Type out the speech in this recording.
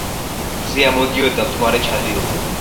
მზე ამოდიოდა მთვარე ჩადიოდა